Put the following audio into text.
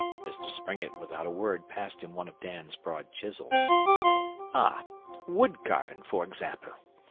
Mr Springett without a word passed him one of Dan's broad chisels. 'Ah! Wood carving, for example.